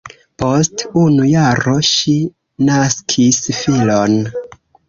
Post unu jaro ŝi naskis filon.